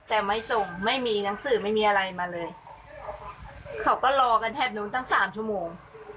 แต่ไม่ส่งไม่มีหนังสือไม่มีอะไรมาเลยเขาก็รอกันแทบนู้นตั้งสามชั่วโมง